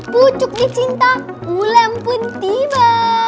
pucuk di cinta ulem pun tiba